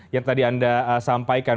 yang tadi anda sampaikan